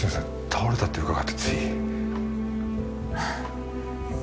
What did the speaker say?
倒れたって伺ってついあっ